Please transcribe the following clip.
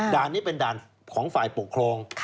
นี้เป็นด่านของฝ่ายปกครอง